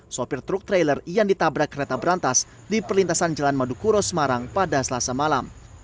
sopir truk trailer yang ditabrak kereta berantas di perlintasan jalan madukuro semarang pada selasa malam